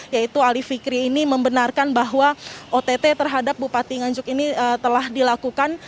yaitu ali fikri ini membenarkan bahwa ott terhadap bupati nganjuk ini telah dilakukan